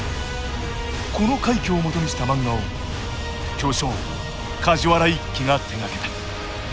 この快挙をもとにした漫画を巨匠梶原一騎が手がけた。